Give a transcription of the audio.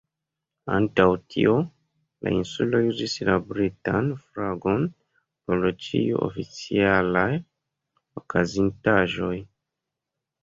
Antaŭ tio, la Insuloj uzis la britan flagon por ĉiuj oficialaj okazintaĵoj.